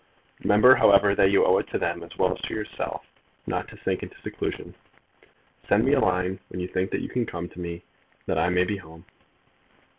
Remember, however, that you owe it to them as well as to yourself not to sink into seclusion. Send me a line when you think that you can come to me that I may be at home.